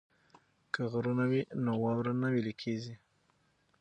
که غرونه وي نو واوره نه ویلی کیږي.